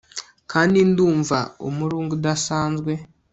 kandi ndumva umurunga udasanzwe